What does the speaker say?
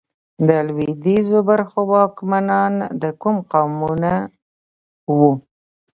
د لوېدیځو برخو واکمنان د کوم قامونه وو؟